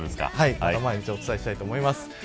毎日お伝えしたいと思います。